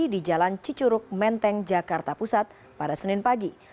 di jalan cicuruk menteng jakarta pusat pada senin pagi